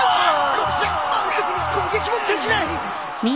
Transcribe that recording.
これじゃ満足に攻撃もできない。